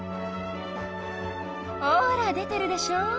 ほら出てるでしょ。